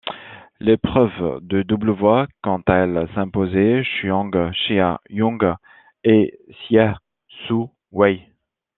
L'épreuve de double voit quant à elle s'imposer Chuang Chia-Jung et Hsieh Su-Wei.